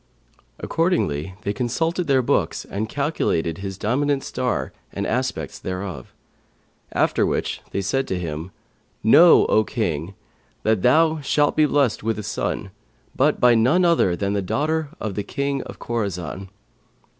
Accordingly, they consulted their books and calculated his dominant star and the aspects thereof; after which they said to him, 'Know, O King, that thou shalt be blessed with a son, but by none other than the daughter of the King of Khorαsαn.'